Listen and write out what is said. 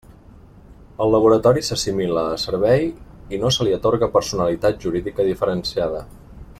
El Laboratori s'assimila a servei i no se li atorga personalitat jurídica diferenciada.